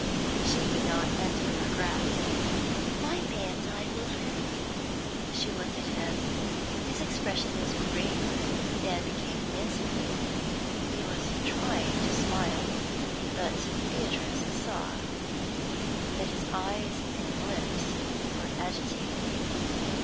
She would not undo her grasp. 'Why mayn't I, Wilfrid?' She looked at him. His expression was graver than became the incident; he was trying to smile, but Beatrice saw that his eyes and lips were agitated.